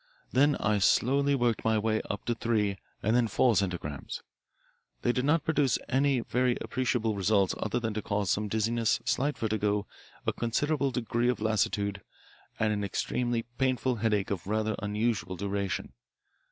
Then I slowly worked my way up to three and then four centigrams. They did not produce any very appreciable results other than to cause some dizziness, slight vertigo, a considerable degree of lassitude, and an extremely painful headache of rather unusual duration.